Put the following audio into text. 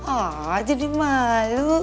awww jadi malu